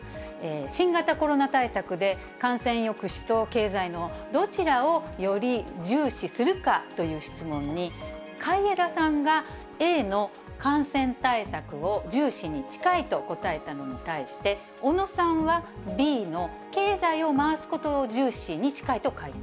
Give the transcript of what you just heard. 新型コロナ対策で、感染抑止と経済のどちらをより重視するかという質問に、海江田さんがＡの感染対策を重視に近いと答えたのに対して、小野さんはＢの経済を回すことを重視に近いと回答。